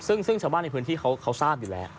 ซึ่งชาวบ้านในพื้นที่เขาทราบอยู่แล้ว